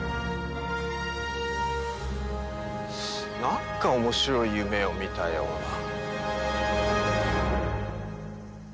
なんか面白い夢を見たような。